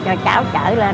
cho cháu trở lại